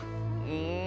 うん。